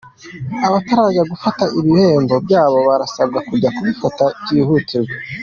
Abatarajya gufata ibihembo byabo barasabwa kujya kubifata byihutirwa.